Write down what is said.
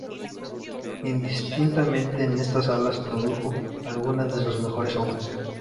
Indistintamente en estas salas produjo algunas de sus mejores obras.